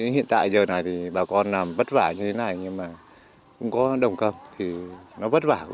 hiện tại giờ này thì bà con làm vất vả như thế này nhưng mà cũng có đồng cầm thì nó vất vả